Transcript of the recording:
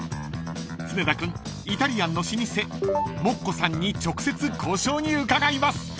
［常田君イタリアンの老舗モッコさんに直接交渉に伺います］